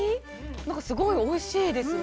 なんかすごいおいしいですね。